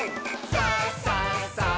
さあ！さあ！」